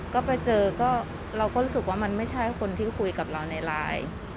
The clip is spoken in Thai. ก็ไปเจอก็เราก็รู้สึกว่ามันไม่ใช่คนที่คุยกับเราในไลน์